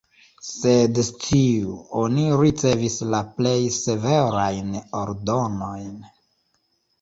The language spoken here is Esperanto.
Sed sciu, oni ricevis la plej severajn ordonojn.